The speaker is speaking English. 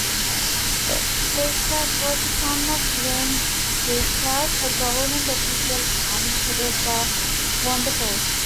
Weierstrass was the son of Wilhelm Weierstrass, a government official, and Theodora Vonderforst.